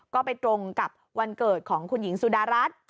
ก็ไปตรงกับวันเกิดของคุณหญิงสุดารัฐ